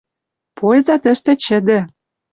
Польза тӹштӹ чӹдӹ: